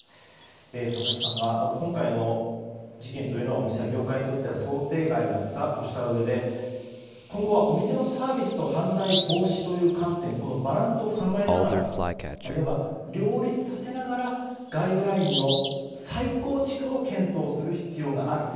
佐々木さんは今回の事件というのはお店、業界にとっては想定外だったとしたうえで今後は、お店のサービスと犯罪防止という観点バランスを考えながらいわば両立させながらガイドラインの再構築を検討する必要があると。